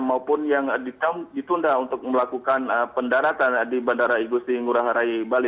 maupun yang ditunda untuk melakukan pendaratan di bandara igusti ngurah rai bali